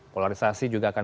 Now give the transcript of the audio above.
polarisasi juga akan